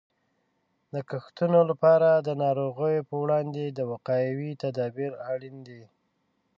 د کښتونو لپاره د ناروغیو په وړاندې د وقایې تدابیر اړین دي.